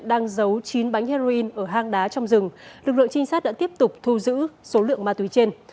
đang giấu chín bánh heroin ở hang đá trong rừng lực lượng trinh sát đã tiếp tục thu giữ số lượng ma túy trên